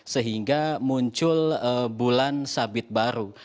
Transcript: sehingga muncul bulan sabit baru